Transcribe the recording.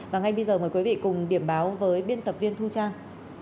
và ngay bây giờ mời quý vị cùng điểm báo với biên tập viên thu trang